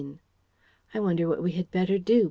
"I wonder what we had better do?"